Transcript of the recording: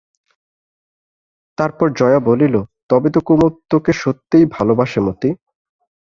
তারপর জয়া বলিল, তবে তো কুমুদ তোকে সত্যিই ভালোবাসে মতি?